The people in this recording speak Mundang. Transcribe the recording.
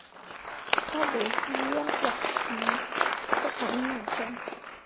Pabe vuu yaŋ ʼyak suu pǝɓan nocam.